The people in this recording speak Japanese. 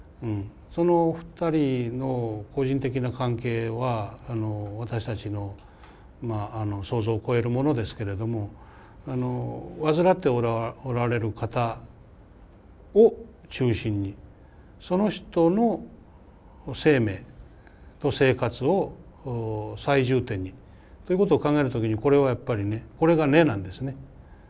そのお二人の個人的な関係は私たちの想像を超えるものですけれども患っておられる方を中心にその人の生命と生活を最重点にということを考える時にこれはやっぱりねこれが根なんですね。